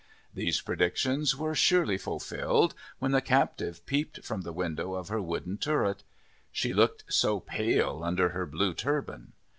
These predictions were surely fulfilled, when the captive peeped from the window of her wooden turret. She looked so pale under her blue turban.